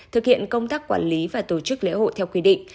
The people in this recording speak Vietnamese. thực hiện công tác quản lý và tổ chức lễ hội theo quy định